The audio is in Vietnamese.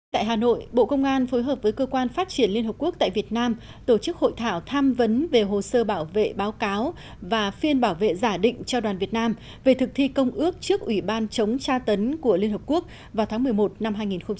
tại hà nội bộ công an phối hợp với cơ quan phát triển liên hợp quốc tại việt nam tổ chức hội thảo tham vấn về hồ sơ bảo vệ báo cáo và phiên bảo vệ giả định cho đoàn việt nam về thực thi công ước trước ủy ban chống tra tấn của liên hợp quốc vào tháng một mươi một năm hai nghìn một mươi chín